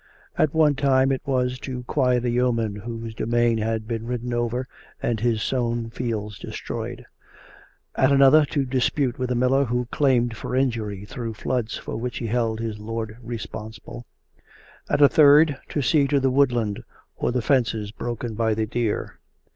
At one time it was to quiet a yeoman whose domain had been ridden over and his sown fields destroyed ; at another, to dis pute with a miller who claimed for injury through floods for which he held his lord responsible; at a third, to see to the woodland or the fences broken by the deer.